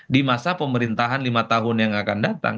di masa pemerintahan lima tahun yang akan datang